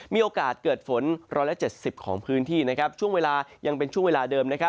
มีโอกาสเกิดฝน๑๗๐ของพื้นที่ช่วงเวลายังเป็นช่วงเวลาเดิม